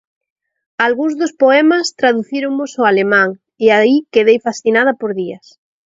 Algún dos poemas traducíronmos ao alemán e aí quedei fascinada por días.